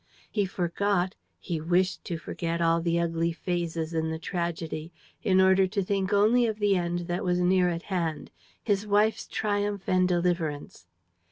He forgot, he wished to forget all the ugly phases in the tragedy, in order to think only of the end that was near at hand, his wife's triumph and deliverance.